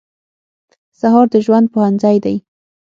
سهار د ژوند پوهنځی دی.